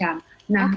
nah untuk pertanyaannya